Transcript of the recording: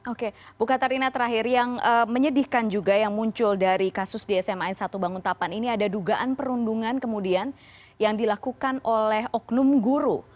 oke bukatarina terakhir yang menyedihkan juga yang muncul dari kasus di sma n satu banguntapan ini ada dugaan perundungan kemudian yang dilakukan oleh oknum guru